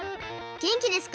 げんきですか？